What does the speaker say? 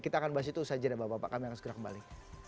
kita akan bahas itu sajadah bapak bapak kami akan segera kembali